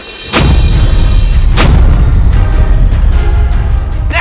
ada apa kesana